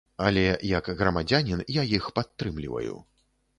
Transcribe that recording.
Але як грамадзянін я іх падтрымліваю.